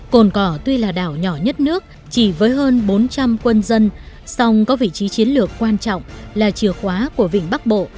cồn cỏ tuy là đảo nhỏ nhất nước chỉ với hơn bốn trăm linh quân dân song có vị trí chiến lược quan trọng là chìa khóa của vịnh bắc bộ